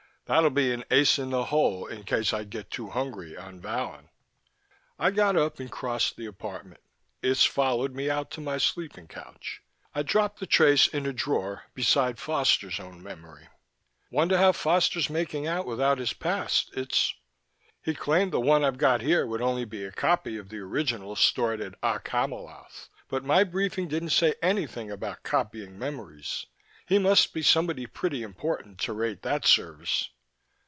That'll be an ace in the hole in case I get too hungry on Vallon." I got up and crossed the apartment; Itz followed me out to my sleeping couch. I dropped the trace in a drawer beside Foster's own memory. "Wonder how Foster's making out without his past, Itz? He claimed the one I've got here would only be a copy of the original stored at Okk Hamiloth, but my briefing didn't say anything about copying memories. He must be somebody pretty important to rate that service."